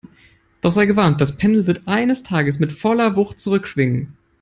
Doch sei gewarnt, das Pendel wird eines Tages mit voller Wucht zurückschwingen!